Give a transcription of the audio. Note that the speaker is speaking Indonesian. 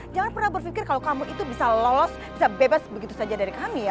jangan pernah berpikir kalau kamu itu bisa lolos bisa bebas begitu saja dari kami ya